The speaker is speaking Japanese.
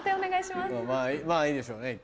まぁいいでしょう。